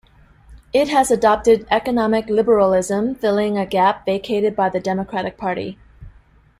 It has adopted economic liberalism, filling a gap vacated by the Democratic Party.